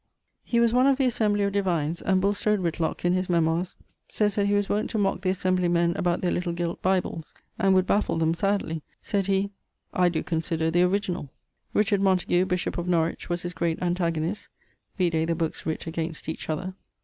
He was one of the Assembly of Divines, and Whitlock, in his memoires, sayes that he was wont to mock the Assembly men about their little gilt Bibles, and would baffle them sadly: sayd he, 'I doe consider the original.' Montague, of Norwich, was his great antagonist; vide the bookes writt against each other.